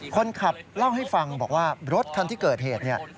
คนขับเล่าให้ฟังว่ารถที่เกิดเหตุ